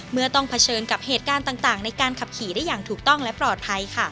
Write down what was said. เมื่อต้องเผชิญกับเหตุการณ์ต่างในการขับขี่ได้อย่างถูกต้องและปลอดภัย